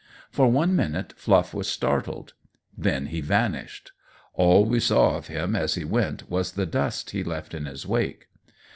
For one minute Fluff was startled. Then he vanished. All we saw of him as he went was the dust he left in his wake.